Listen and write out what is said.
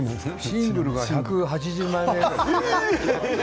シングルが１８０枚目。